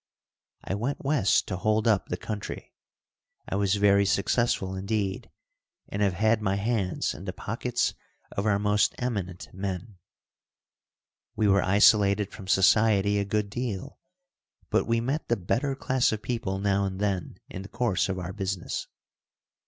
I went west to hold up the country. I was very successful, indeed, and have had my hands in the pockets of our most eminent men. We were isolated from society a good deal, but we met the better class of people now and then in the course of our business.